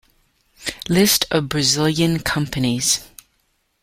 List of Brazilian companies